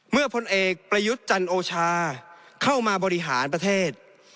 พลเอกประยุทธ์จันโอชาเข้ามาบริหารประเทศ